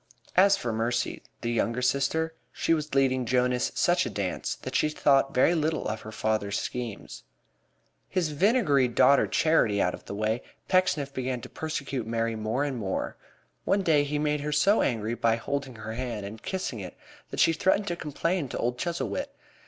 As for Mercy, the younger sister, she was leading Jonas such a dance that she thought very little of her father's schemes. His vinegary daughter Charity out of the way, Pecksniff began to persecute Mary more and more. One day he made her so angry by holding her hand and kissing it that she threatened to complain to old Chuzzlewit.